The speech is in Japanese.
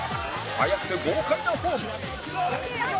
速くて豪快なフォーム